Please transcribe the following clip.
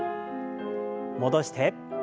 戻して。